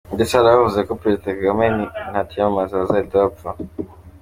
Ndetse hari abavuze ko Perezida Kagame natiyamamaza bazahita bapfa!